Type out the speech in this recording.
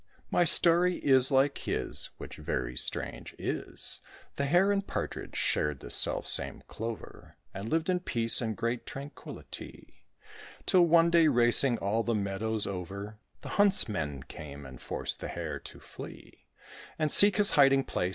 My story is like his which very strange is, The Hare and Partridge shared the selfsame clover, And lived in peace and great tranquillity, Till one day, racing all the meadows over, The huntsmen came, and forced the Hare to flee, And seek his hiding place.